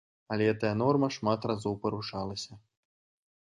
Але гэтая норма шмат разоў парушалася.